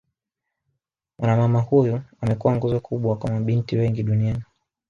Mwana mama huyu amekuwa nguzo kubwa kwa mabinti wengi duniani